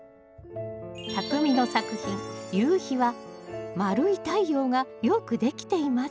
たくみの作品「夕日」は丸い太陽がよくできています。